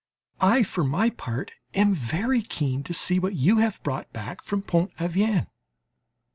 I, for my part, am very keen to see what you have brought back from Pont Aven.